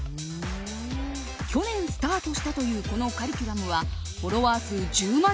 去年スタートしたというこのカリキュラムはフォロワー数１０万